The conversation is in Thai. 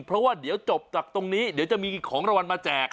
เพราะว่าเดี๋ยวจบจากตรงนี้เดี๋ยวจะมีของรางวัลมาแจก